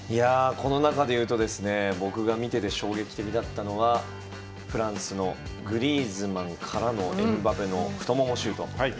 この中でいうと僕が見てて衝撃的だったのはフランスのグリーズマンからのエムバペの太ももシュート。